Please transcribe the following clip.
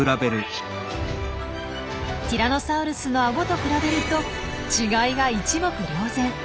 ティラノサウルスのアゴと比べると違いが一目瞭然。